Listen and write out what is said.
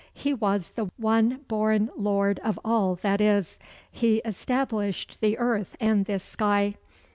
He was the one born lord of all that is. He established the earth and this sky.